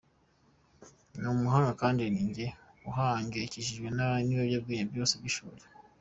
Ni umuhanga kandi ni njye uhangayikishwa n’ibyangombwa byose by’ishuri.